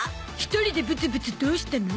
１人でブツブツどうしたの？